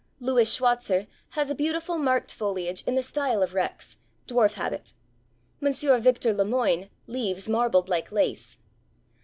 Louis Schwatzer has a beautiful marked foliage in the style of Rex, dwarf habit. Mons. Victor Lamoine, leaves marbled like lace.